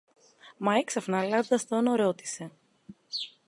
Μα έξαφνα αλλάζοντας τόνο ρώτησε